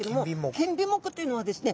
剣尾目というのはですね